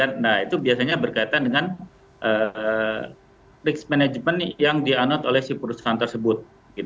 nah itu biasanya berkaitan dengan risk management yang dianut oleh si perusahaan tersebut